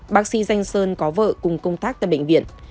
bác sĩ danh sơn có vợ cùng công tác tại bệnh viện